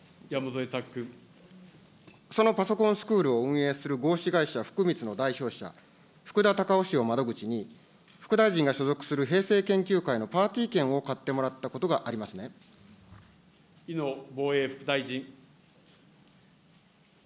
そのパソコンスクールを運営する合資会社ふくみつの代表者、ふくだたかお氏を窓口に、副大臣が所属するへいせい研究会のパーティー券を買ってもらった井野防衛副大臣。